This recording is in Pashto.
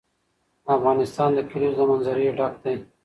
افغانستان له د کلیزو منظره ډک دی.